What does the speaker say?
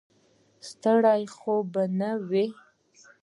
ستړی خو به نه یې.